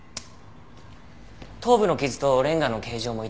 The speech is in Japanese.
頭部の傷とレンガの形状も一致しました。